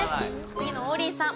次の王林さん